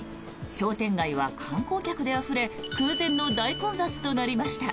商店街は観光客であふれ空前の大混雑となりました。